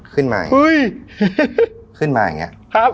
ขึ้นมาอย่างงี้